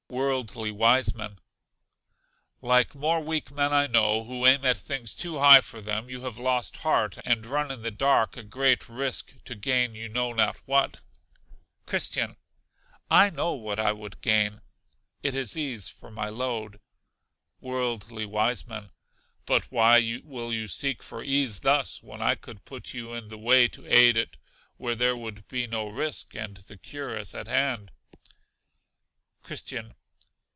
Worldly Wiseman. Like more weak men I know, who aim at things too high for them you have lost heart, and run in the dark at great risk, to gain you know not what. Christian. I know what I would gain, it is ease for my load. Worldly Wiseman. But why will you seek for ease thus, when I could put you in the way to aid it where there would be no risk; and the cure is at hand. Christian.